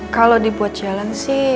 kalau dibuat jalan sih